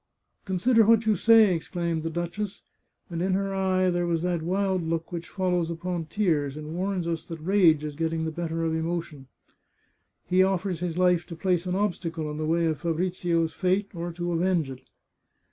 " Consider what you say," exclaimed the duchess, and in her eye there was that wild look which follows upon 392 The Chartreuse of Parma tears, and warns us that rage is getting the better of emotion. " He offers his Hfe to place an obstacle in the way of Fa brizio's fate, or to avenge it."